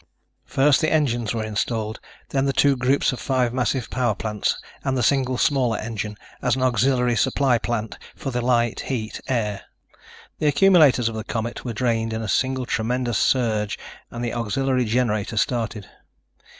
First the engines were installed, then the two groups of five massive power plants and the single smaller engine as an auxiliary supply plant for the light, heat, air. The accumulators of the Comet were drained in a single tremendous surge and the auxiliary generator started.